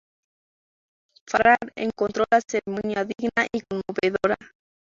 Farrar encontró la ceremonia digna y conmovedora.